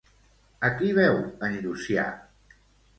A qui veu en Llucià?